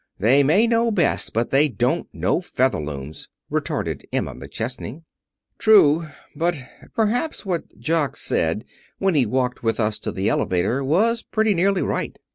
"They may know best, but they don't know Featherlooms," retorted Emma McChesney. "True. But perhaps what Jock said when he walked with us to the elevator was pretty nearly right.